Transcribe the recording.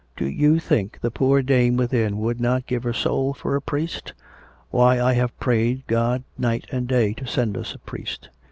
Do you think the poor dame within would not give her soul for a priest? ... Why, I have prayed God night and day to send us a priest.